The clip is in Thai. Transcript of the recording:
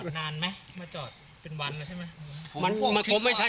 มาจอดนานไหมมาจอดเป็นวันแล้วใช่ไหมมันมันคงไม่ใช่